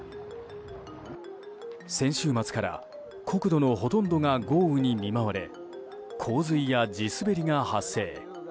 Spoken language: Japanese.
先週末から、国土のほとんどが豪雨に見舞われ洪水や地滑りが発生。